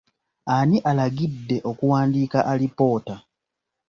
Ani alagidde okuwandiika alipoota?